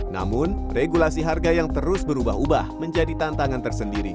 namun regulasi harga yang terus berubah ubah menjadi tantangan tersendiri